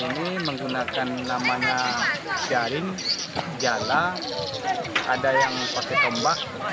ini menggunakan namanya jaring jala ada yang pakai tombak